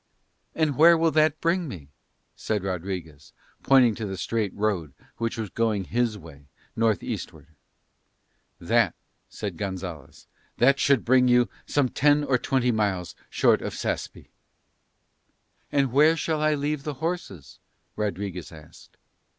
"And where will that bring me?" said Rodriguez, pointing to the straight road which was going his way, north eastward. "That," said Gonzalez, "that should bring you some ten or twenty miles short of Saspe." "And where shall I leave the horses?" Rodriguez asked.